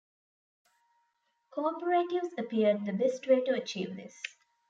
Co-operatives appeared the best way to achieve this.